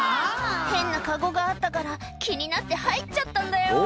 「変なカゴがあったから気になって入っちゃったんだよ」